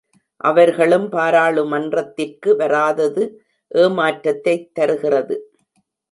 அவர்களும் பாராளுமன்றத்திற்கு வராதது ஏமாற்றத்தைத் தருகிறது.